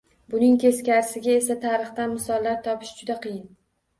Buning teskarisiga esa tarixdan misollar topish juda qiyin.